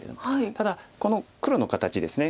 ただこの黒の形ですね